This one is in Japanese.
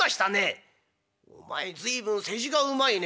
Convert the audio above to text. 「お前随分世辞がうまいね。